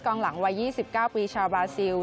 หลังวัย๒๙ปีชาวบราซิล